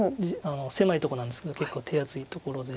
狭いとこなんですけど結構手厚いところで。